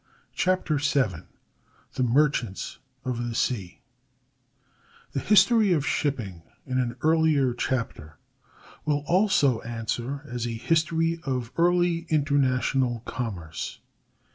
CHAPTER VII THE MERCHANTS OF THE SEA The history of shipping in an earlier chapter will also answer as a history of early international commerce.